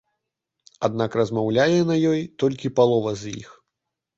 Аднак размаўляе на ёй толькі палова з іх.